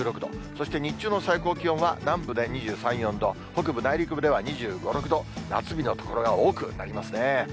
そして日中の最高気温は南部で２３、４度、北部内陸部で２５、６度、夏日の所が多くなりますね。